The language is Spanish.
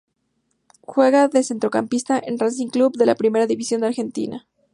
Juega de Centrocampista en Racing Club de la Primera División de Argentina.